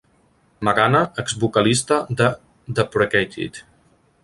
Magana, exvocalista de "Deprecated".